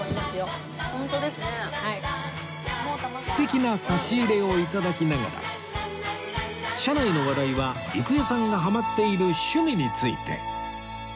素敵な差し入れを頂きながら車内の話題は郁恵さんがハマっている趣味について